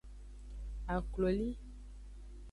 Akloli.